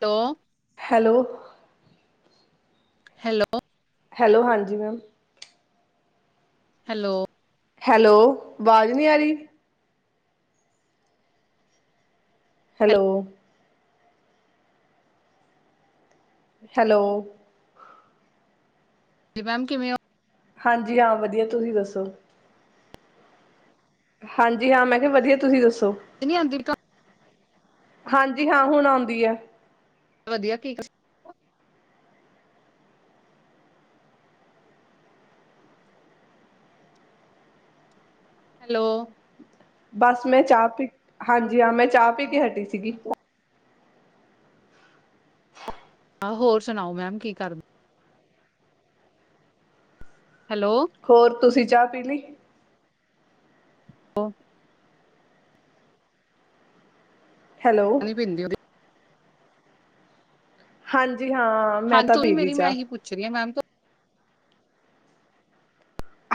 ਤੋ hello hello hello ਹਾਂਜੀ ma'am. Hello hello, ਵਾਜ਼ ਨੀਂ ਆ ਰੀ। ਹੈਲੋ ਹੈਲੋ ਹਾਂਜੀ ਮੈਮ ਕਿਵੇਂ ਓ ਹਾਂਜੀ ਹਾਂ ਵਧੀਆ, ਤੁਸੀਂ ਦੱਸੋ। ਹਾਂਜੀ ਹਾਂ, ਮੈਂ ਕਿਆ ਵਧੀਆ, ਤੁਸੀਂ ਦੱਸੋ। ਆਵਾਜ ਨੀ ਆਂਦੀ ਹਾਂਜੀ ਹਾਂ, ਹੁਣ ਆਉਂਦੀ ਏ ਵਧੀਆ, ਕੀ ਦ ਹੈਲੋ ਬਸ ਮੈਂ ਚਾਹ ਪੀ, ਹਾਂਜੀ ਹਾਂ ਮੈਂ ਚਾਹ ਪੀ ਕੇ ਹਟੀ ਸੀਗੀ ਹੋਰ ਸੁਣਾਓ ਮੈਮ, ਕੀ ਕਰਦੇ ਹੈਲੋ ਹੋਰ ਤੁਸੀਂ ਚਾਹ ਪੀ ਲੀ। ਹੋਰ ਹੈਲੋ ਬਿੰਦੋ ਦੀ ਹਾਂਜੀ ਹਾਂ, ਮੈਂ ਤਾਂ ਪੀਲੀ ਚਾਹ। ਚੀਆ ਮੈਮ ਤੋ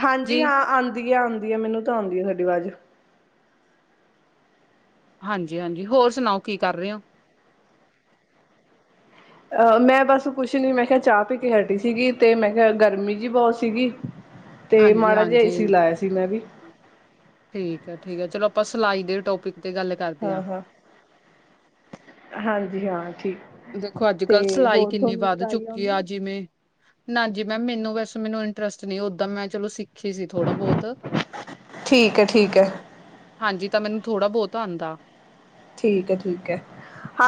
ਹਾਂਜੀ ਜੀ, ਹਾਂ, ਆਂਦੀ ਆ ਆਂਦੀ ਹੈ ਮੈਨੂੰ ਤਾਂ ਆਂਦੀ ਆ ਤਾੱਡੀ ਆਵਾਜ਼। ਹਾਂਜੀ- ਹਾਂਜੀ, ਹੋਰ ਸੁਣਾਓ ਕੀ ਕਰ ਰੇ ਓ। ਅਹ, ਮੈਂ ਬਸ ਕੁਛ ਨੀ ਮੈਂ ਕਿਹਾ ਚਾਹ ਪੀ ਕੇ ਹਟੀ ਸੀਗੀ, ਤੇ ਮੈਂ ਕਿਹਾ ਗਰਮੀ ਜਿ ਬਹੁਤ ਸੀਗੀ। ਤੇ ਮਾੜਾ ਜਿਆ, ਏ ਹਾਂਜੀ-ਹਾਂਜੀ। ਸੀ ਲਾਇਆ ਸੀ ਮੈਂ ਵੀ। ਠੀਕ ਹੈ- ਠੀਕ ਹੈ, ਚਲੋ ਆਪਾਂ ਸਿਲਾਈ ਦੇ ਟੋਪਿਕ ਤੇ ਗੱਲ ਹਾਂ- ਹਾਂ, ਹਾਂਜੀ ਹਾਂ ਠੀਕ ਦੇਖੋ, ਅੱਜ- ਤੇ ਕੱਲ੍ਹ ਸਿਲਾਈ ਹੋਰ ਕਿੰਨੀ ਤੁਹਾਨੂੰ ਵੱਧ ਸਿਲਾਈ ਚੁੱਕੀ ਆਉਂਦੀ ਆ ਜਿਵੇਂ ਨਾਜੀ ਮੈਮ ਮੈਨੂੰ ਵੈਸੇ ਮੈਨੂੰ ਇੰਟਰਸਟ ਨਹੀਂ ਓਦਾਂ ਮੈਂ ਚਲੋ ਸਿੱ ਖੀ ਸੀ ਥੋੜਾ ਬੋਹਤ ਠੀਕ ਹੈ ਠੀਕ ਹੈ ਹਾਂਜੀ, ਤਾਂ ਮੈਨੂੰ ਥੋੜਾ ਬਹੁਤ ਆਉਂਦਾ ਆ, ਠੀਕ ਹੈ- ਠੀਕ ਹੈ,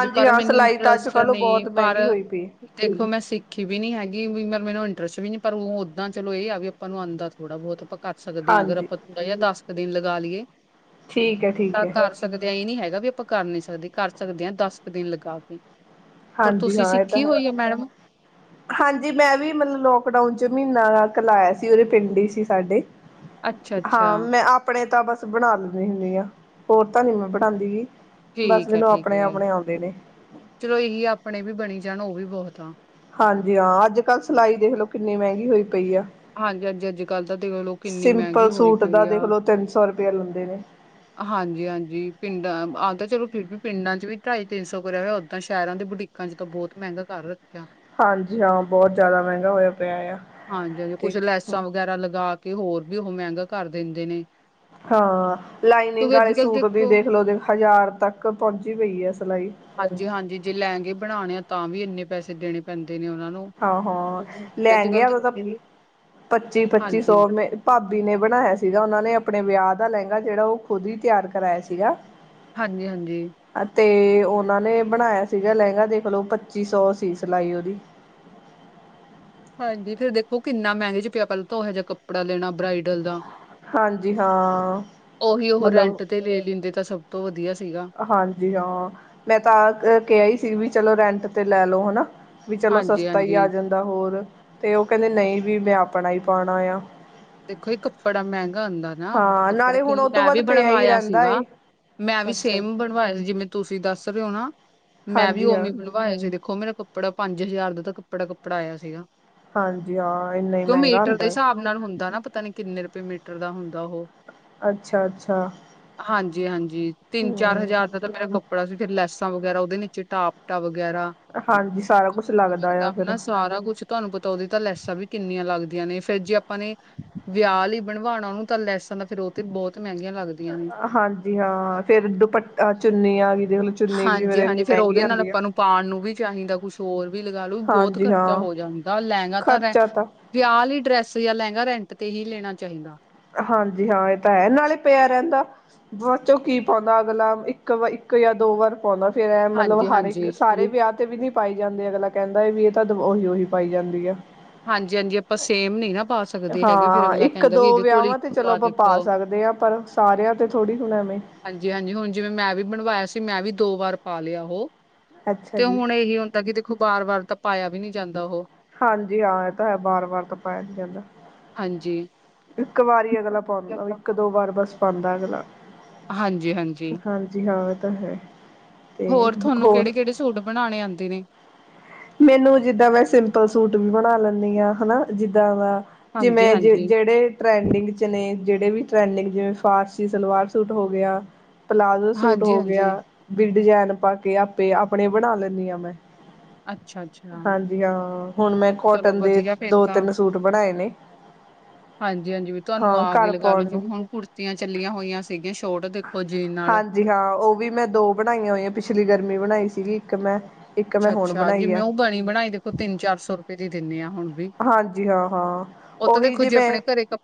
ਵੀ ਪਰ ਹਾਂ ਮੈਨੂੰ ਸਿਲਾਈ ਤਾਂ ਅੱਜ- ਇੰਟਰਸਟ ਕੱਲ੍ਹ ਨਹੀਂ ਬਹੁਤ ਪਰ ਮਹਿੰਗੀ ਹੋਈ ਪਈ, ਦੇਖੋ ਮੈਂ ਸਿੱਖੀ ਵੀ ਨੀ ਹੈਗੀ ਵੀ ਮ ਮੈਨੂੰ ਇੰਟਰਸਟ ਵੀ ਨੀ ਪਰ ਓਦਾਂ ਚਲੋ ਇਹ ਆ ਵੀ ਆਪਾਂ ਨੂੰ ਆਉਂਦਾ ਥੋੜਾ ਬਹੁਤ ਕਰ ਸਕਦੇ ਹਾਂ, ਅਗਰ ਹਾਂਜੀ ਆਪਾਂ ਤਾ ਜ ਦਸ ਕੁ ਦਿਨ ਲਗਾ, ਲਈਏ, ਠੀਕ ਹੈ ਠੀਕ ਤਾਂ ਹੈ ਕਰ ਸਕਦੇ ਹਾਂ, ਇਹ ਨੀ ਹੈਗਾ ਵੀ ਆਪਾਂ ਕਰ ਨੀ ਸਕਦੇ, ਕਰ ਸਕਦੇ ਹਾਂ ਦਸ ਕੁ ਦਿਨ ਲਗਾ ਕੇ ਹੋਰ ਹਾਂਜੀ ਤੁਸੀਂ ਹਾਂ ਇਹ ਤਾਂ ਸਿੱਖੀ ਹੋਈ ਹੈ ਮੈਡਮ, ਹਾਂਜੀ ਮੈਂ ਵੀ ਮਤਲਬ ਲੋਕਡਾਊਨ 'ਚ ਮਹੀਨਾ ਕ ਲਾਇਆ ਸੀ ਉਹਦੇ ਪਿੰਡ ਹੀ ਸੀ ਸਾਡੇ, ਅੱਛਾ ਅੱਛਾ ਹਾਂ, ਮੈਂ ਆਪ, ਆਪਣੇ ਤਾਂ ਬਸ ਬਣਾ ਲੈਂਦੀ ਹੁੰਦੀ ਆ, ਹੋਰ ਤਾਂ ਨੀ ਮੈਂ ਬਣਾਉਂਦੀ ਗਈ ਬਸ ਠੀਕ ਹੈ ਮੈਨੂੰ ਠੀਕ ਆਪਣੇ ਹੈ ਆਪਣੇ ਆਉਂਦੇ ਨੇ ਚਲੋ ਇਹੀ ਆਪਣੇ ਵੀ ਬਣੀ ਜਾਣ, ਉਹ ਵੀ ਬਹੁਤ ਆ, ਹਾਂਜੀ ਹਾਂ ਅੱਜ-ਕੱਲ ਸਲਾਈ ਦੇਖ ਲੌ ਕਿਨੀ ਮੈਂਗੀ ਹੋਈ ਪਈ ਆ। ਹਾਂਜੀ ਅੱਜ ਅੱਜ ਕੱਲ੍ਹ ਤਾਂ ਦੇਖ ਲਓ ਕਿੰਨੀ ਮਹਿੰਗੀ ਸਿੰਪਲ ਹੋਈ ਸੂਟ ਦਾ ਪਈ ਦੇਖ ਆ ਲਓ ਤਿੰਨ ਸੌ ਰੁਪਆ ਲੈਂਦੇ ਨੇ। ਹਾਂਜੀ-ਹਾਂਜੀ ਪਿੰਡਾਂ ਆ ਤਾਂ ਚਲੋ ਫੇਰ ਵੀ ਪਿੰਡਾਂ ਚ ਵੀ ਢਾਈ-ਤਿੰਨ ਸੌ ਕਰੇਆ ਹੋਏਆ ਓਦਾਂ ਸਂਰਾਂ ਦੇ ਬੁਟੀ ਕਾ ਚ ਤਾਂ ਬੋਤ ਮੈਂਗਾ ਕਰ ਰੱਖਿਆ। ਹਾਂਜੀ ਹਾਂ ਬੋਤ ਜਾਦਾ ਮੈਂਗਾ ਹੋਏਆ ਪੇਆ ਆ। ਹਾਂਜੀ-ਹਾਂਜੀ ਤੇ ਕੁਛ ਲੈਸਾਂ ਵਗੈਰਾ ਲਗਾ ਕੇ ਹੋਰ ਵੀ ਉਹ ਮੈਂਗਾ ਕਰ ਦਿੰਦੇ ਨੇ। ਹਾਂ, ਲਾਈਨਿੰਗ ਕਿਉਂਕਿ ਵਾਲੇ ਅੱਜ-ਕੱਲ੍ਹ ਸੂਟ ਵੀ ਦੇਖੋ ਦੇਖ ਲਓ ਹਜ਼ਾਰ ਤੱਕ ਪਹੁੰਚੀ ਪਈ ਆ ਸਲਾਈ। ਹਾਂਜੀ-ਹਾਂਜੀ ਜੇ ਲੈਗੇ ਬਣਾਣੇ ਆ ਤਾਂ ਵੀ ਐਨੇ ਪੈਸੇ ਦੇਣੇ ਪੈਂਦੇ ਨੇ ਓਨਾਂ ਨੂੰ। ਹਾ-ਹਾ ਤੇ ਲੈਗੇ ਅੱਜ-ਕੱਲ੍ਹ ਉ ਤਾਂ ਹਾਂਜੀ, ਪੱਚੀ-ਪੱਚੀ ਸੌ ਹਾਂਜੀ-ਹਾਂਜੀ। ਮ ਭਾ ਬੀ ਨੇ ਬਣਾਏਆ ਸੀਗਾ ਓਨਾਂ ਨੇ ਆਪਣੇ ਵੇਆ ਦਾ ਲਹਿੰਗਾ ਜੇੜਾ ਓ ਖੁਦ ਹੀ ਤਿਆਰ ਕਰਾਇਆ ਸੀਗਾ। ਹਾਂਜੀ-ਹਾਂਜੀ। ਅਤੇ ਓਨਾਂ ਨੇ ਬਣਾਇਆ ਸੀਗਾ ਲਹਿੰਗਾ ਦੇਖਲਓ ਪੱਚੀ ਸੌ ਸੀ ਸਿਲਾਈ ਓਦੀ। ਹਾਂਜੀ ਫੇਰ ਦੇਖੋ ਕਿਨਾ ਮੈਂਗੇ ਚ ਪੇਆ ਪੈਂਲਾਂ ਤਾਂ ਓਹੋ ਜਾ ਕੱਪੜਾ ਲੈਣਾ ਬ੍ਰਈਡਲ ਦਾ। ਹਾਂਜੀ ਹਾਂ ਓਹੀ ਓ ਮਤਲਬ ਰੈਂਟ ਤੇ ਲੈ ਲੈਂਦੇ ਤਾਂ ਸਭ ਤੋਂ ਵਧੀਆ ਸੀਗਾ। ਹਾਂਜੀ ਹਾਂ, ਮੈਂ ਤਾਂ ਆ ਕੇਆ ਹੀ ਸੀ ਵੀ ਚਲੋ ਰੈਂਟ ਤੇ ਲੈ ਲੋ ਹਨਾ। ਵੀ ਚਲੋ ਸਸਤਾ ਈ ਹਾਂਜੀ-ਹਾਂਜੀ। ਆ ਜਾਂਦਾ ਹੋਰ ਤੇ ਓ ਕੈਂਦੇ ਨਈ ਵੀ ਮੈਂ ਆਪਣਾ ਹੀ ਪੌਣਾ ਆ। ਦੇਖੋ ਏ ਕਪੜਾ ਮੈਂਗਾ ਆਦਾ। ਹਨਾ ਹਾਂ ਨਾਲੇ ਹੁਣ ਕੱਪੜੇ ਉਹ ਤੋਂ ਮੈਂ ਵੀ ਬਾਅਦ ਪਿਆ ਹੀ ਬਣਵਾਇਆ ਰਹਿੰਦਾ ਸੀਗਾ, ਏ ਮੈਂ ਵੀ ਅੱਛਾ ਜੀ ਸੇਮ ਬਣ ਬਵਾ ਜਿਵੇਂ ਤੁਸੀਂ ਦੱਸ ਰਹੇ ਹੋ ਨਾ, ਮੈਂ ਵੀ ਹਾਂਜੀ ਹਾਂ ਉਵੇ ਬ ਵਾਇਆ ਸੀ ਦੇਖੋ ਮੇਰਾ ਕੱਪੜਾ ਪੰਜ ਹਜ਼ਾਰ ਦਾ ਤਾਂ ਕੱਪੜਾ ਕੱਪੜਾ ਆਇਆ ਸੀਗਾ। ਹਾਂਜੀ ਆ ਇੰਨਾ ਈ ਕਿਉਂ ਮੈਂਗਾ ਮੀਟਰ ਦੇ ਹੁੰਦਾ ਆ। ਹਿਸਾਬ ਨਾਲ ਹੁੰਦਾ ਨਾ ਪਤਾ ਨੀ ਕਿੰਨੇ ਰੁਪਏ ਮੀਟਰ ਦਾ ਹੁੰਦਾ ਉਹ। ਅੱਛਾ-ਅੱਛਾ। ਹਾਂਜੀ-ਹਾਂਜੀ, ਤਿੰਨ-ਚਾਰ ਹਜ਼ਾਰ ਤ ਜ ਮੇਰਾ ਕਪੜਾ ਸੀ ਫੇਰ ਲੈਸਾਂ ਵਗੈਰਾ ਓਦੇ ਨ ਟਾਪਟਾ ਵਗੈਰਾ ਹਾਂਜੀ ਸਾਰਾ ਕੁਛ ਲੱਗਦਾ ਦਾ ਆ ਫਿਰ। ਹਨਾ ਸਾਰਾ ਕੁੱਛ ਤੁਆਨੂੰ ਪਤਾ ਓਦੀ ਤਾਂ ਲੈਸਾਂ ਵੀ ਕੇਨੀਆਂ ਲੱਗਦੀਆਂ ਨੇ ਫਿਰ ਜੇ ਆਪਾਂ ਨੇ ਵੇਆ ਲਈ ਬਣਵਾਣਾ ਓਨੂੰ ਤਾਂ ਲੈਸਾਂ ਦਾ ਫੇਰ ਓ ਤੇ ਬਹੁਤ ਮੈਂਗੀਆਂ ਲੱਗਦੀ ਹਾਂਜੀ ਹਾਂ ਫੇਰ ਦੁਪਾ ਚੁੰਨੀ ਆ ਦੇਖ ਲੋ ਹਾਂਜੀ-ਹਾਂਜੀ ਫੇਰ ਓਦੇ ਨਾਲ ਆਪਾਂ ਨੂੰ ਪਾਉਣ ਨੂੰ ਵੀ ਚਾਈਦਾ ਕੁਛ ਹੋਰ ਵੀ ਲਗਾਲੋ ਬਹੁਤ ਹਾਂਜੀ ਖਰ ਚਾ ਹਾਂ ਹੋ ਜਾਂਦਾ ਲੈਗਾ ਤਾਂ ਰੈਂ [unintelligible] ਵੇਆ ਲਈ ਡਰੈਸ ਜਾਂ ਲੈਂਗਾ ਰੈਂਟ ਤੇ ਹੀ ਲੈਣਾ ਚਾਹੀਦਾ ਹਾਂਜੀ ਹਾਂ ਏ ਤਾਂ ਹੈ ਨਾਲ ਹੀ ਪਿਆ ਰੈਂਦਾ ਬਾਚ ਕੀ ਪਾਉਂਦਾ ਅਗਲਾ ਇੱਕ ਵ ਇੱਕ ਜਾਂ ਦੋ ਵਾਰ ਪਾਉਂਦਾ ਫੇਰ ਐ ਮਲਬ ਹਰ ਇੱਕ ਹਾਂਜੀ-ਹਾਂਜੀ, ਸਾਰੇ ਵੇਆ ਤੇ ਵੀ ਨੀ ਪਾਈ ਜਾਂਦੇ ਅਗਲਾ ਕੈਂਦਾ ਵੀ ਇਹ ਤਾਂ ਉਹੀ ਉਹੀ ਪਾਈ ਜਾਂਦੀ ਆ। ਹਾਂਜੀ-ਹਾਂਜੀ ਆਪਾਂ ਸੇਮ ਨੀ ਨਾ ਪਾ ਸ ਹਾਂ ਇੱਕ ਦੋ ਵੇਆਵਾਂ ਤੇ ਚਲੋ ਆ ਆਪਾਂ ਦੇਖੋ। ਪਾ ਸਕਦੇ ਆ ਪਰ ਸਾਰੇਆਂ ਤੇ ਥੋੜੀ ਹੁਣ ਐਵੇਂ ਹਾਂਜੀ-ਹਾਂਜੀ ਹੁਣ ਜਿਵੇਂ ਮੈਂ ਵੀ ਬਣਵਾਇਆ ਸੀ ਮੈਂ ਵੀ ਦੋ ਵਾਰ ਪਾ ਲੇਆ ਉਹ, ਅੱਛਾ ਤੇ ਜੀ ਹੁਣ ਏਹੀ ਹੁੰ ਦਾਂ ਕੇ ਦੇਖੋ ਬਾਰ-ਬਾਰ ਤਾਂ ਪਾਏਆ ਵੀ ਨੀ ਜਾਂਦਾ ਉਹ। ਹਾਂਜੀ ਹਾਂ ਏ ਤਾਂ ਹੈ ਵਾਰ-ਵਾਰ ਤਾਂ ਪਾਇਆ ਜਾਂਦਾ। ਹਾਂਜੀ। ਇੱਕ ਵਾਰ ਈ ਅਗਲਾ ਪਾਉਂਦਾ ਇੱਕ-ਦੋ ਵਾਰ ਬਸ ਪਾਦਾ ਅਗਲਾ। ਹਾਂਜੀ-ਹਾਂਜੀ ਹਾਂਜੀ ਹਾਂ ਇਹ ਤਾਂ ਹੈ ਤੇ ਹੋਰ ਝੁੱੰਡ ਬਣਾਣੇ ਆਂਦੇ ਨੇ ਮੈਨੂੰ ਜਿੱਦਾਂ ਮੈਂ ਸਿੰਪਲ ਸੂਟ ਵੀ ਬਣਾ ਲੈਂਦੀ ਹਾਂ ਹਨਾ ਜਿੱਦਾਂ ਦਾ ਜਿਵੇਂ ਜ ਹਾਂਜੀ-ਹਾਂਜੀ, ਜੇੜੇ ਟ੍ਰੈਂਡਿੰਗ ਚ ਨੇ ਜਿਹੜੇ ਵੀ ਟ੍ਰੈਂਡਿੰਗ ਜਿਵੇਂ ਫਾਰਸੀ ਸਲਵਾਰ ਸੂਟ ਹੋ ਗਿਆ ਪਲਾਜ਼ੋ ਸੂਟ ਹੋ ਗਿਆ ਹਾਂਜੀ-ਹਾਂਜੀ। ਵੀ ਡਜੈਨ ਪਾ ਕੇ ਆਪੇ ਆਪਣੇ ਬਣਾ ਲੈਂਨੀ ਆਂ ਮੈਂ ਅੱਛਾ ਅੱਛਾ ਹਾਂਜੀ ਹਾਂ ਹੁਣ ਮੈਂ ਕੋਟਨ ਦੇ ਵਧੀਆ ਫੇਰ ਦੋ ਤਿੰਨ ਸੂਟ ਬਣਾਏ ਨੇ ਹਾਂਜੀ ਹਾਂਜੀ ਵੀ ਤੁਆਨੂੰ ਹਾਂ ਆ ਗੇ ਘਰ ਲਗਾ ਲਓ ਪਾਉਣ ਨੂੰ ਜਿਵੇਂ ਹੁਣ ਕੁੜਤੀਆਂ ਚੱਲੀਆਂ ਹੋਈਆਂ ਸੀਗੀਆਂ ਸ਼ੋਟ ਦੇਖੋ ਜੀਨ ਨਾਲ ਜੀ ਹਾਂ ਉਹ ਵੀ ਮੈਂ ਦੋ ਬਣਾਈਆਂ ਹੋਈਆਂ ਪਿਛਲੀ ਗਰਮੀ ਬਣਾਈ ਸੀਗੀ ਇੱਕ ਮੈਂ ਇੱਕ ਮੈਂ ਅੱਛਾ ਹੁਣ ਅੱਛਾ ਬਣਾਈ ਜਿਵੇਂ ਆ ਉਹ ਬਣੀ ਬਣਾਈ ਦੇਖੋ ਤਿੰਨ ਚਾਰ ਸੌ ਰੁਪਏ ਦੀ ਦਿੰਦੇ ਹਾਂ ਹੁਣ ਵੀ ਹਾਂਜੀ ਹਾਂ ਹਾਂ ਉਹੀ ਜਿਵੇਂ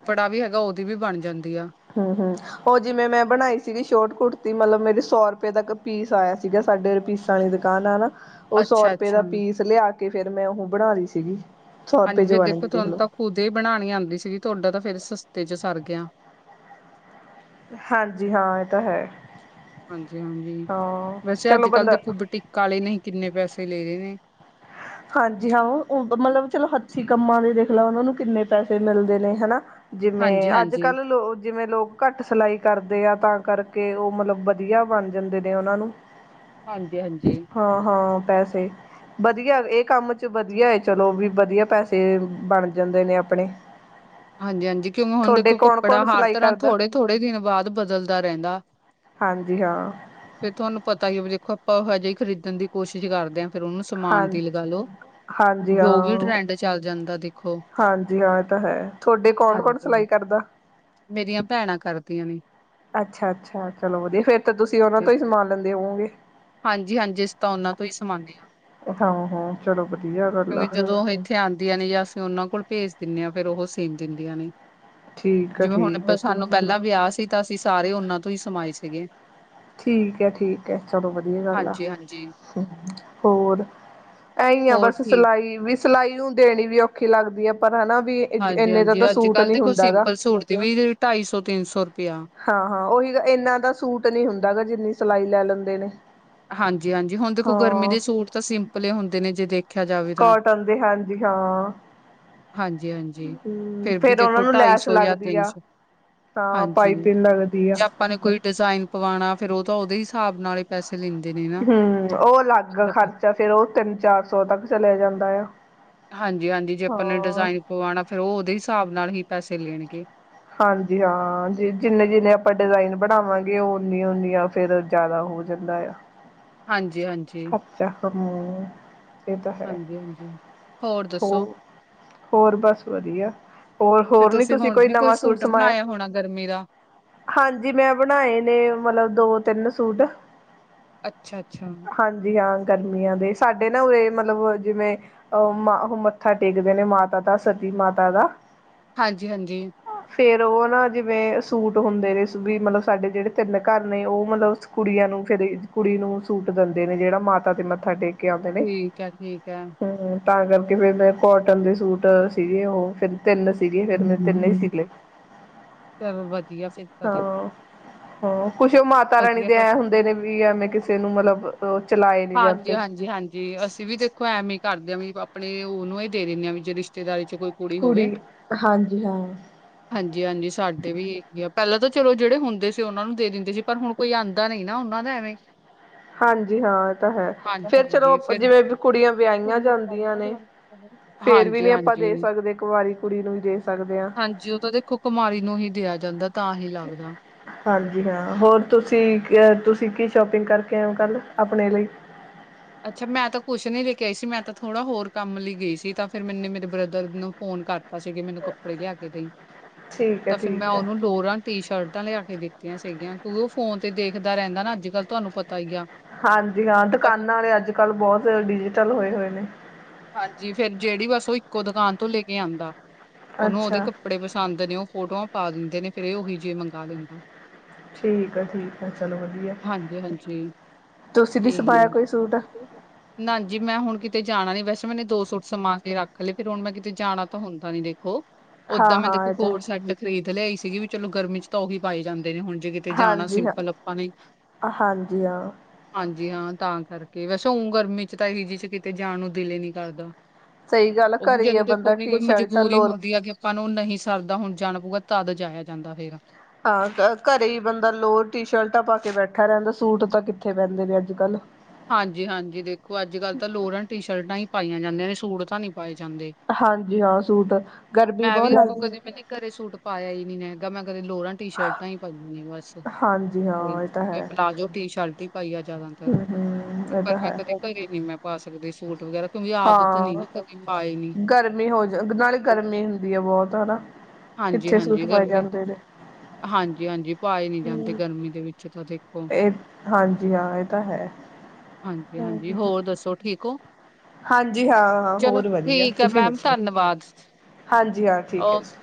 ਫੜਾ ਵੀ ਹੈਗਾ ਉਹਦੀ ਵੀ ਬਣ ਜਾਂਦੀ ਆ। ਹਮ ਹਮ ਉਹ ਜਿਵੇਂ ਮੈਂ ਬਣਾਈ ਸੀਗੀ ਸ਼ੋਟ ਕੁੜਤੀ ਮਤਲਬ ਮੇਰੀ ਸੌ ਰੁਪਏ ਦਾੱਕ ਪੀਸ ਆਏਆ ਸੀਗਾ ਸਾਡੇ ਪੀਸ ਣੀ ਦੁਕਾਨ ਆ ਨਾ ਉਹ ਸੌ ਰੁਪਏ ਦਾ ਅੱਛਾ-ਅੱਛਾ। ਪੀਸ ਲਿਆ ਕੇ ਫੇਰ ਮੈਂ ਉਹ ਬਣਾ ਲਈ ਸੀਗੀ। ਸੌ ਰੁਪਏ ਜ ਬਣਗੀ ਦੇਖਲੋ। ਖੁਦੇ ਹੀ ਬਣਾਣੀ ਆਂਦੀ ਸੀਗੀ ਤੁਹਾਡਾ ਤਾਂ ਫੇਰ ਸਸਤੇ ਚ ਸਰ ਗਿਆ। ਹਾਂਜੀ ਹਾਂ ਇਹ ਤਾਂ ਹੈ ਹਾਂਜੀ ਹਾਂਜੀ ਹਾਂ ਵੈਸੇ ਚਲੋ ਅੱਜ ਕੱਲ੍ਹ ਬੰਦਾ ਦੇਖੋ ਬਟੀਕਾ ਆਲੇ ਨਹੀਂ ਕਿੰਨੇ ਪੈਸੇ ਲੈ ਰਹੇ ਨੇ ਹਾਂਜੀ ਹਾਂ ਮਤਲਬ ਚਲੋ ਹੱਥੀ ਕੰਮਾਂ ਦੇ ਦੇਖ ਲਾ ਉਹਨਾਂ ਨੂੰ ਕਿੰਨੇ ਪੈਸੇ ਮਿਲਦੇ ਨੇ ਹਨਾ ਜਿਵੇਂ ਅੱਜ ਹਾਂਜੀ-ਹਾਂਜੀ, ਕੱਲ੍ਹ ਲੋ ਜਿਵੇਂ ਲੋਕ ਘੱਟ ਸਿਲਾਈ ਕਰਦੇ ਆ ਤਾਂ ਕਰਕੇ ਉਹ ਮਤਲਬ ਵਧੀਆ ਬਣ ਜਾਂਦੇ ਨੇ ਉਹਨਾਂ ਨੂੰ ਹਾਂਜੀ ਹਾਂਜੀ ਹਾਂ ਹਾਂ ਪੈਸੇ ਵਧੀਆ ਇਹ ਕੰਮ ਚ ਵਧੀਆ ਹੈ ਚਲੋ ਵੀ ਵਧੀਆ ਪੈਸੇ ਬਣ ਜਾਂਦੇ ਨੇ ਆਪਣੇ ਹਾਂਜੀ ਹਾਂਜੀ ਕਿਉਂ ਹੁਣ ਤੁਹਾਡੇ ਦੇਖੋ ਕੱਪੜਾ ਕੌਣ-ਕੌਣ ਹਰ ਸਿਲਾਈ ਤਰ੍ਹਾਂ ਕਰਦਾ ਥੋੜੇ ਥੋੜੇ ਦਿਨ ਬਾਦ ਬਦਲਦਾ ਰੈਂਦਾ। ਹਾਂਜੀ ਹਾਂ, ਫਿਰ ਤੁਹਾਨੂੰ ਪਤਾ ਹੀ ਦੇਖੋ ਆਪਾਂ ਹਜੇ ਈ ਖਰੀਦਣ ਦੀ ਕੋਸ਼ਿਸ਼ ਕਰਦੇ ਹਾਂ। ਫਿਰ ਉਹਨੂੰ ਹਾਂ ਸਮਾਨ ਦੀ ਲਗਾ ਲੋ ਹਾਂਜੀ ਜੋ ਵੀ ਹਾਂ ਟਰੈਂਡ ਚੱਲ ਜਾਂਦਾ ਦੇਖੋ। ਹਾਂਜੀ ਹਾਂ ਇਹ ਤਾਂ ਹੈ ਥੋਡੇ ਕੌਣ ਕੌਣ ਹਾਂਜੀ। ਸਿਲਾਈ ਕਰਦਾ। ਮੇਰੀਆਂ ਭੈਣਾਂ ਕਰਦੀਆਂ ਨੇ, ਅੱਛਾ ਅੱਛਾ ਚਲੋ ਵਧੀਆ ਫੇਰ ਤਾਂ ਤੁਸੀਂ ਉਹਨਾਂ ਤੋਂ ਹੀ ਸਮਾਨ ਲੈਂਦੇ ਹੋਵੋਗੇ। ਹਾਂਜੀ ਹਾਂਜੀ ਅਸੀ ਤਾਂ ਉਹਨਾਂ ਤੋਂ ਹੀ ਸਮਾਂਨੇ ਹਾਂ। ਹਾਂ ਹਾਂ ਚਲੋ ਵਧੀਆ ਗੱਲ ਆ। ਥੇ ਆਦੀਆਂ ਨੇ ਜਾਂ ਅਸੀਂ ਉਹਨਾਂ ਕੋਲ ਭੇਜ ਦਿੰਦੇ ਹਾਂ ਫੇਿਰ ਉਹ ਸੀਮ ਦਿੰਦੀਆਂ ਨੇ। ਠੀਕ ਆ ਜਿਵੇਂ ਹੁਣ ਠੀਕ ਆਪਾ ਹੈ ਸਾਨੂੰ ਪਹਿਲਾਂ ਵਿਆਹ ਸੀ ਤਾਂ ਅਸੀਂ ਸਾਰੇ ਉਹਨਾਂ ਤੋਂ ਹੀ ਸਮਾਏ ਸੀਗੇ। ਠੀਕ ਹੈ ਠੀਕ ਹੈ ਚਲੋ ਵਧੀਆ ਗੱਲ ਆ। ਹਾਂਜੀ, ਹੋਰ ਇਹੀ ਆ ਹੋਰ ਬਸ ਠੀਕ ਸਿਲਾਈ ਵੀ। ਸਿਲਾਈ ਨੂੰ ਦੇਣੀ ਵੀ ਔਖੀ ਲੱਗਦੀ ਆ ਪਰ ਹਨਾ ਵੀ। ਹਾਂਜੀ ਇੰਨੇ ਦਾ ਤਾਂ ਹਾਂਜੀ ਅੱਜ ਸੂਟ ਕੱਲ੍ਹ ਦੇ ਨੀ ਕੋਈ ਹੁੰਦਾ ਗਾ ਸਿੰਪਲ ਸੂਟ ਦੀ ਵੀ ਢਾਈ ਸੌ ਤਿੰਨ ਸੌ ਰੁਪੇਆ ਹਾਂ ਹਾਂ ਉਹੀ ਇਨਾ ਦਾ ਸੂਟ ਨਹੀਂ ਹੁੰਦਾ ਗਾ ਜਿੰਨੀ ਸਿਲਾਈ ਲੈ ਲੈਂਦੇ ਨੇ ਹਾਂਜੀ ਹਾਂਜੀ ਹੁਣ ਦੇਖੋ ਗਰਮੀ ਹਾਂ ਦੇ ਸੂਟ ਤਾਂ ਸਿੰਪਲ ਹੁੰਦੇ ਨੇ ਜੇ ਦੇਖ ਕੋਟਨ ਦੇ ਹਾਂਜੀ ਹਾਂ। ਹਾਂਜੀ-ਹਾਂਜੀ। ਹੂੰ ਵੀ ਫੇਰ ਓਨਾ ਦੇਖੋ ਨੂੰ ਢਾਈ ਲੈਸ ਸੌ ਜਾਂ ਲੱਗਦੀ ਤਿੰਨ ਆ। ਸੌ ਹਾਂ, ਹਾਂਜੀ ਪਾਈਪਿੰਨ ਲੱਗਦੀ ਆ। ਜੇ ਆਪਾਂ ਨੇ ਕੋਈ ਡਿਜ਼ਾਇਨ ਪਵਾਣਾ ਫੇਰ ਓ ਤਾਂ ਓਦੇ ਹਿਸਾਬ ਨਾਲ ਹੀ ਪੈਸੇ ਲੀਂਦੇ ਨੇ। ਨਾ। ਹੂੰ ਓ ਅਲੱਗ ਖਰਚਾ ਫੇਰ ਓ ਤਿੰਨ ਚਾਰ ਸੌ ਤੱਕ ਚਲਿਆ ਜਾਂਦਾ ਆ। ਹਾਂਜੀ ਹਾਂਜੀ, ਜੇ ਆਪਾਂ ਨੇ ਹਾਂ ਡਿਜ਼ਾਇਨ ਪਵਾਣਾ ਫੇਰ ਓ ਓਦੇ ਹਿਸਾਬ ਨਾਲ ਹੀ ਪੈਸੇ ਲੇਣਗੇ। ਹਾਂਜੀ ਹਾਂ, ਜ ਜਿੰਨੇ ਜਿੰਨੇ ਆਪਾਂ ਡਿਜ਼ਾਇਨ ਬਣਾਵਾਂਗੇ ਓ ਓਨੀ-ਓਨੀ ਫਿਰ ਜ਼ਿਆਦਾ ਹੋ ਜਾਂਦਾ ਆ। ਹਾਂਜੀ-ਹਾਂਜੀ। [unintelligible] ਏ ਤਾਂ ਹੈ ਹਾਂਜੀ-ਹਾਂਜੀ। ਦੱਸੋ ਹੋਰ ਹੋਰ ਬਸ ਵਧੀਆ ਫੇਰ ਹੋਰ-ਹੋਰ ਨੀ ਤੁਸੀਂ ਹੁਣ ਕੋਈ ਵੀ ਨਵਾਂ ਸੂਟ ਸਮਾਇਆ। ਬਣਾਇਆ ਹੋਣਾ ਗਰਮੀ ਦਾ? ਹਾਂਜੀ, ਮੈਂ ਬਣਾਏ ਨੇ ਮਤਲਬ ਦੋ ਤਿੰਨ ਸੂਟ। ਅੱਛਾ-ਅੱਛਾ। ਹਾਂਜੀ ਹਾਂ, ਗਰਮੀਆਂ ਦੇ ਸਾਡੇ ਨਾ ਉਰੇ ਮਤਲਬ ਜਿਵੇਂ ਅ ਮਾ ਓਹ ਮੱਥਾ ਟੇਕਦੇ ਨੇ ਮਾਤਾ ਦਾ ਸਤੀ ਮਾਤਾ ਦਾ। ਹਾਂਜੀ-ਹਾਂਜੀ, ਫੇਰ ਓ ਨਾ ਜਿਵੇਂ ਸੂਟ ਹੁੰਦੇ ਨੇ ਵੀ ਮਤਲਬ ਸਾਡੇ ਜਿਹੜੇ ਤਿੰਨ ਘਰ ਨੇ ਓ ਮਤਲਬ ਕੁੜੀਆਂ ਨੂੰ ਫੇਰ ਕੁੜੀ ਨੂੰ ਸੂਟ ਦਿੰਦੇ ਨੇ ਜਿਹੜਾ ਮਾਤਾ ਤੇ ਮੱਥਾ ਟੇਕ ਕੇ ਆਂਦੇ ਨੇ ਠੀਕ ਹੈ, ਠੀਕ ਹੈ। ਹੂੰ। ਤਾਂ ਕਰਕੇ ਫੇਰ ਮੈਂ ਕੋਟਨ ਦੇ ਸੂਟ ਸੀਗੇ ਓਹ ਫਿਰ ਤਿੰਨ ਸੀਗੇ ਫੇਰ ਮੈਂ ਤਿੰਨੇ ਈ ਹੂੰ। ਸੀਲੇ ਚਲੋ ਵਧੀਆ ਫਿਰ ਤਾਂ ਤੇ ਹਾਂ। ਹਾਂ, ਕੁੱਛ ਓ ਮਾਤਾ ਰਾਣੀ ਵਧੀਆ ਦੇ ਫਿਰ ਐਂ ਹੁੰਦੇ ਨੇ ਵੀ ਐਵੇਂ ਕਿਸੇ ਨੂੰ ਮਤਲਬ ਅ ਚਲਾਏ ਨੀ ਜਾਂਦੇ। ਜੀ ਅਸੀਂ ਵੀ ਦੇਖੋ ਐਵੇ ਈ ਕਰਦੇ ਆ ਵੀ ਆਪਣੇ ਓਨੂੰ ਏ ਦੇ ਦਿੰਨੇ ਆ ਵੀ ਜੇ ਰਿਸ਼ ਤੇਦਾਰੀ ਚ ਕੋਈ ਕੁੜੀ ਹੋਵੇ। ਹਾਂਜੀ ਹਾਂ। ਹਾਂਜੀ ਹਾਂਜੀ, ਸਾਡੇ ਵੀ ਏਹੀ ਆ ਪਹਿਲਾਂ ਤਾਂ ਚਲੋ ਜੇੜੇ ਹੁੰਦੇ ਸੀ ਓਨਾਂ ਨੂੰ ਦੇ ਦਿੰਦੇ ਸੀ। ਪਰ ਹੁਣ ਕੋਈ ਆਂਦਾ ਨੀ ਨਾ ਓਨਾਂ ਦਾ ਐਵੇਂ। ਹਾਂਜੀ ਹਾਂ ਏ ਤਾਂ ਹੈ ਹਾਂਜੀ, ਫੇਰ ਚਲੋ ਹਾਂਜੀ ਫਿਰ ਜਿਵੇਂ ਕੁੜੀਆਂ ਵਿਆਈਆਂ ਜਾਂਦੀਆਂ ਨੇ। ਫੇਰ ਵੀ ਹਾਂਜੀ, ਨੀ ਆਪਾਂ ਦੇ ਹਾਂਜੀ, ਸਕਦੇ ਕਵਾਰੀ ਕੁੜੀ ਨੂੰ ਈ ਦੇ ਸਕਦੇ ਆ। ਕਮਾਰੀ ਨੂੰ ਹੀ ਦਿਆ ਜਾਂਦਾ ਤਾਂ ਹੀ ਲੱਗਦਾ। ਹਾਂਜੀ ਹਾਂ ਹੋਰ ਤੁਸੀਂ ਕ ਤੁਸੀਂ ਕੀ ਸ਼ੋਪਿੰਗ ਕਰਕੇ ਆਇਓ ਕੱਲ ਆਪਣੇ ਲਈ ਅੱਛਾ ਮੈਂ ਤਾਂ ਕੁੱਛ ਨੀ ਲੈ ਕੇ ਆਈ ਸੀ ਮੈਂ ਤਾਂ ਥੋੜਾ ਹੋਰ ਕੰਮ ਲੀ ਗਈ ਸੀ ਤਾਂ ਫੇਰ ਮੈਨੇ ਮੇਰੇ ਬ੍ਰਦਰ ਨੂੰ ਫੋਨ ਕਰ ਤਾਂ ਸੀ ਕੀ ਮੈਨੂੰ ਕੱਪੜੇ ਲਿਆ ਕੇ ਦਈ ਠੀਕ ਹੈ ਤਾਂ ਫੇਰ ਮੈਂ ਠੀਕ ਹੈ। ਓਨੂੰ ਲੋਰਾਂ ਟੀ ਸ਼ਰਟਾਂ ਲਿਆ ਕੇ ਦਿੱਤੀਆਂ ਸੀਗੀਆਂ ਕਿਉਂਕਿ ਓ ਫੋਨ ਤੇ ਦੇਖਦਾ ਰਹਿੰਦਾ ਨਾ ਅੱਜ ਕੱਲ੍ਹ ਤੁਹਾਨੂੰ ਪਤਾ ਈ ਆ। ਹਾਂਜੀ ਹਾਂ ਤਾਂ ਫਿਰ- ਦੁਕਾਨਾਂ ਆਲੇ ਅੱਜ ਕੱਲ੍ਹ ਬੋਤ ਡਿਜੀਟਲ ਹੋਏ-ਹੋਏ ਨੇ। ਹਾਂਜੀ ਫੇਰ ਜਿਹੜੀ ਬਸ ਓ ਇੱਕੋ ਦੁਕਾਨ ਤੋਂ ਲੈ ਕੇ ਆਂਦਾ। ਓਨੂੰ ਓਦੇ ਅੱਛਾ ਕੱਪੜੇ ਪਸੰਦ ਨੇ ਓ ਫੋਟੋਆਂ ਪਾ ਦਿੰਦੇ ਨੇ ਫਿਰ ਏ ਓਹੀ ਜੀ ਮੰਗਾ ਲੈਂਦਾ। ਠੀਕ ਆ ਠੀਕ ਆ ਚਲੋ ਵਧੀਆ ਹਾਂਜੀ-ਹਾਂਜੀ। ਤੁਸੀਂ ਨੀ ਇਹੀ ਆ। ਸਮਾਇਆ ਕੋਈ ਸੂਟ? ਨਾਜੀ ਮੈਂ ਹੁਣ ਕਿਤੇ ਜਾਣਾ ਨੀ ਵੈਸੇ ਮੈਨੇ ਦੋ ਸੂਟ ਸਮਾ ਕੇ ਰੱਖ ਲਏ ਫੇਰ ਹੁਣ ਮੈਂ ਕਿਤੇ ਜਾਣਾ ਤਾਂ ਹੁੰਦਾ ਨੀ ਦੇਖੋ। ਹਾਂ ਓਦਾਂ ਮੈਂ ਹਾਂ ਦੇਖੋ ਇਹ ਤਾਂ ਕੋਡ ਸੈੱਟ ਖਰੀਦ ਲਿਆਈ ਸੀਗੀ ਵੀ ਚਲੋ ਗਰਮੀ ਚ ਤਾਂ ਓ ਹੀ ਪਾਏ ਜਾਂਦੇ ਨੇ ਹੁਣ ਜੇ ਤੇ ਜਾਣਾ ਹਾਂਜੀ ਹਾਂ ਸਿੰਪਲ ਆਪਾਂ ਨੇ ਹਾਂਜੀ ਹਾਂ ਹਾਂਜੀ ਹਾਂ ਤਾਂ ਕਰਕੇ ਵੈਸੇ ਉਂ ਗਰਮੀ ਚ ਤਾਂ ਐਹੀ ਜੀ ਚ ਕਿਤੇ ਜਾਣ ਨੂੰ ਦਿਲ ਈ ਨੀ ਕਰਦਾ। ਸਹੀ ਗੱਲ ਓ ਵੀ ਘਰੇ ਹੀ ਆ ਜਦੋਂ ਦੇਖੋ ਬੰਦਾ ਵੀ ਕੋਈ ਟੀ ਸ਼ਰਟਾਂ ਮਜਬੂਰੀ ਲੋਰ ਹੁੰਦੀ ਆ ਕਿ ਆਪਾਂ ਨੂੰ ਨਹੀਂ ਸਰਦਾ ਹੁਣ ਜਾਣਾ ਪਊਗਾ ਤਦ ਜਾਇਆ ਜਾਂਦਾ ਫੇਰ। ਹਾਂ ਘਰੇ ਈ ਬੰਦਾ ਲੋਰ ਟੀ ਸ਼ਰਟਾਂ ਪਾ ਕੇ ਬੈਠਾ ਰੈਂਦਾ ਸੂਟ ਤਾਂ ਕਿੱਥੇ ਪੈਂਦੇ ਨੇ ਅੱਜ-ਕੱਲ। ਹਾਂਜੀ-ਹਾਂਜੀ ਦੇਖੋ ਅੱਜ ਕੱਲ੍ਹ ਤਾਂ ਲੋਰਾਂ ਟੀ ਸ਼ਰਟਾਂ ਈ ਪਾਈਆਂ ਜਾਂਦੀਆਂ ਨੇ ਸੂਟ ਤਾਂ ਨੀ ਪਾਏ ਜਾਂਦੇ। ਹਾਂਜੀ ਹਾਂ ਸੂਟ ਗਰਮੀ ਮੈਂ ਵੀ ਬਹੁਤ ਦੇਖੋ ਲੱਗਦੀ ਕਦੇ ਮੈਨੇ ਘਰੇ ਸੂਟ ਪਾਇਆ ਈ ਨੀ ਹੈਗਾ ਮੈਂ ਕਦੇ ਲੋਰਾਂ ਟੀ ਸ਼ਰਟਾਂ ਈ ਪਾਈਆ ਨੇ ਬਸ। ਹਾਂਜੀ ਹਾਂ ਇਹ ਤਾਂ ਤੇ ਹੈ ਪਲਾਜ਼ੋ ਟੀ ਸ਼ਰਟ ਈ ਪਾਈ ਆ ਜ਼ਿਆਦਾਤਰ। ਹਮ ਹਮ ਇਹ ਪਰ ਤਾਂ ਮੈਂ ਹੈ ਕਦੇ ਘਰੇ ਨੀ ਮੈਂ ਪਾ ਸਕਦੀ ਸੂਟ ਵਗੈਰਾ। ਕਿਉਂਕਿ ਆਦਤ ਨੀ ਹਾਂ ਨਾ ਕਦੇ ਪਾਏ ਨੀ। ਗਰਮੀ ਹੋ ਜਾ ਨਾਲੇ ਗਰਮੀ ਹੁੰਦੀ ਆ ਬਹੁਤ ਹਨਾ। ਕਿੱਥੇ ਸੂਟ ਹਾਂਜੀ-ਹਾਂਜੀ ਪਾਏ ਗਰਮੀ ਜਾਂਦੇ ਨੇ। ਹਾਂਜੀ-ਹਾਂਜੀ ਪਾਏ ਨੀ ਜਾਂਦੇ ਹਮ ਗਰਮੀ ਦੇ ਵਿੱਚ ਤਾਂ ਦੇਖੋ। ਇਹ ਹਾਂਜੀ ਹਾਂ ਏ ਤਾਂ ਹੈ। ਹਾਂਜੀ-ਹਾਂਜੀ ਹਮ ਹੋਰ ਦੱਸੋ ਠੀਕ ਓ? ਹਾਂਜੀ ਹਾਂ-ਹਾਂ ਹੋਰ ਵਧੀਆ ਹੈ ਤੁਸੀਂ ਮੈਮ ਦੱਸੋ? ਧੰਨਵਾਦ ਹਾਂਜੀ ਹਾਂ ਠੀਕ ਏ ਜੀ।